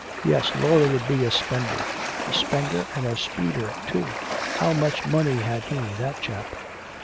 Yes, Laura would be a spender, a spender and a speeder too! How much money had he, that chap?